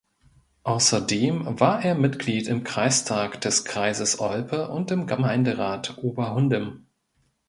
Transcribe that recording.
Außerdem war er Mitglied im Kreistag des Kreises Olpe und im Gemeinderat Oberhundem.